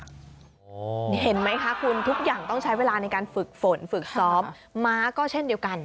เห็นไหมคะคุณทุกอย่างต้องใช้เวลาในการฝึกฝนฝึกซ้อมม้าก็เช่นเดียวกัน